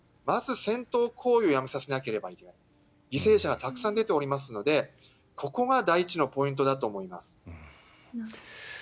まず、戦闘行為をやめさせなければいけない犠牲者がたくさん出ておりますのでここが第１のポイントだと思います。